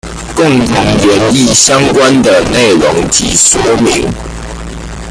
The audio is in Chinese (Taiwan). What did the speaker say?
共同研議相關的內容及說明